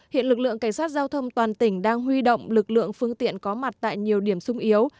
hiện lực lượng cảnh sát giao thông toàn tỉnh đang huy động lực lượng phương tiện có mặt tại nhiều điểm sung yếu